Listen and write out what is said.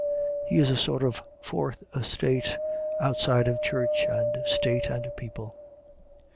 He is a sort of fourth estate, outside of Church and State and People.